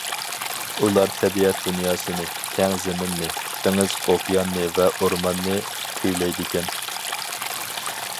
ئۇلار تەبىئەت دۇنياسىنى، كەڭ زېمىننى، دېڭىز-ئوكياننى ۋە ئورماننى كۈيلەيدىكەن.